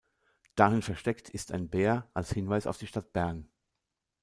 Darin versteckt ist ein Bär als Hinweis auf die Stadt Bern.